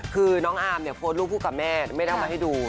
คือน้องอาร์มเนี่ยโพสต์รูปผู้กับแม่ไม่ได้เอามาให้ดู